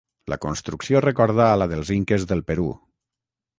La construcció recorda a la dels inques del Perú.